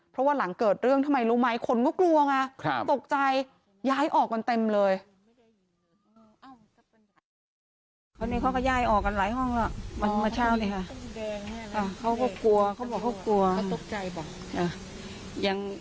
เพราะว่าหลังเกิดเรื่องทำไมรู้ไหมคนก็กลัวมา